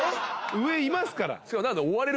上いますから。